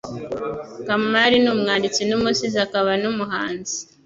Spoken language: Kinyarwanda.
Kamari numwanditsi numusizi akaba numuhanzi.